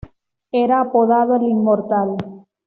Era apodado "El Inmortal".